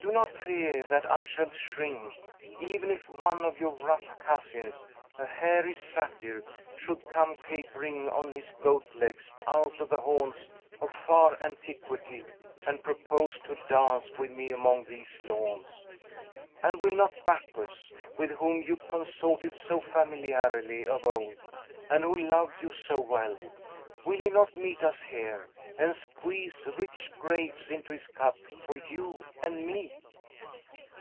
Do not fear that I shall shrink; even if one of your rough cousins, a hairy Satyr, should come capering on his goat legs out of the haunts of far antiquity, and propose to dance with me among these lawns! And will not Bacchus, with whom you consorted so familiarly of old, and who loved you so well, will he not meet us here, and squeeze rich grapes into his cup for you and me?"